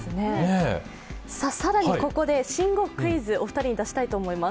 更にここで新語クイズをお二人に出したいと思います。